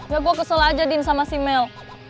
ya gue kesel aja din sama si mel